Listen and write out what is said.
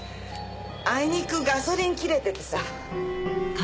あいにくガソリン切れててさ。